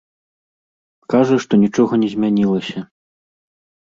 Кажа, што нічога не змянілася.